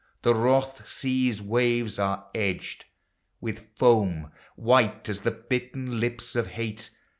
The wroth sea's waves are edged With foam, white as the bitten lip of hale.